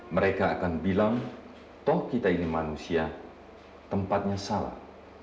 mereka akan bilang toh kita ini manusia tempatnya salah